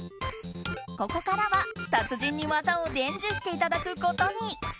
ここからは達人に技を伝授していただくことに。